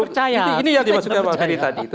kalau saya percaya